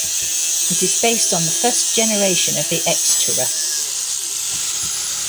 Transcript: It is based on the first generation of the Xterra.